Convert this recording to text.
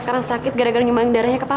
pak sebentar ya